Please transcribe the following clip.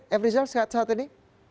efri zal saat ini